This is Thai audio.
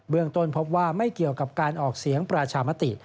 ต้นพบว่าไม่เกี่ยวกับการออกเสียงประชามติ